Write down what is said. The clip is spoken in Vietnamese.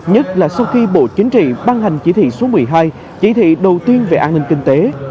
hội nghị số một mươi hai chỉ thị đầu tiên về an ninh kinh tế